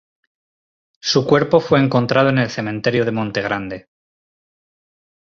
Su cuerpo fue encontrado en el cementerio de Monte Grande.